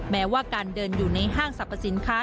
แม้ว่าการเดินอยู่ในห้างสรรพสินค้า